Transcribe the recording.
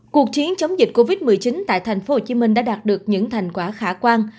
cuộc chiến chống dịch covid một mươi chín tại tp hcm đã đạt được những thành quả khả quan